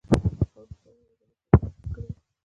خو وروسته یې یوازې نثر ته مخه کړې ده.